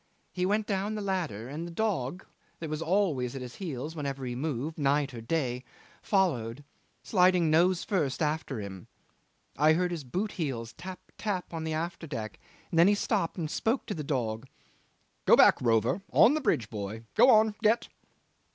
He went down the ladder, and the dog, that was always at his heels whenever he moved, night or day, followed, sliding nose first, after him. I heard his boot heels tap, tap on the after deck, then he stopped and spoke to the dog 'Go back, Rover. On the bridge, boy! Go on get.